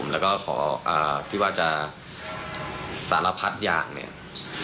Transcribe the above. แล้วก็พี่บ้าจะสารพัดอย่าง